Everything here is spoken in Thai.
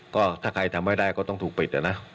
ก็ถ้าใครทำไม่ได้ก็ต้องถูกปิดนะ